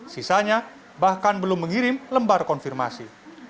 sisanya bahkan belum mengirim lembar konfirmasi